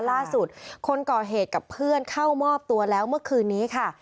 ล่าสุดคนก่อเหตุกับเพื่อนเข้ามอบตัวแล้วเมื่อคืนนี้ค่ะ